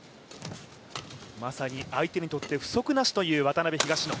まさに相手にとって不足なしという渡辺・東野。